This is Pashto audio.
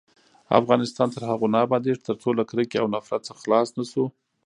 افغانستان تر هغو نه ابادیږي، ترڅو له کرکې او نفرت څخه خلاص نشو.